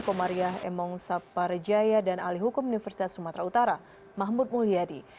komariah emong saparejaya dan ahli hukum universitas sumatera utara mahmud mulyadi